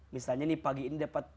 misalnya nih pagi ini dapat